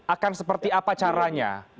akan seperti apa caranya